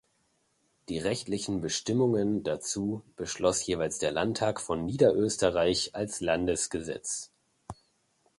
Die rechtlichen Bestimmungen dazu beschloss jeweils der Landtag von Niederösterreich als Landesgesetz.